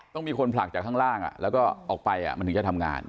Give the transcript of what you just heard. ต้องมีคนผลักจากข้างล่างแล้วก็ออกไปมันถึงจะทำงาน